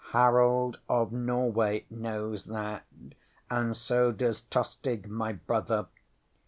Harold of Norway knows that, and so does Tostig my brother.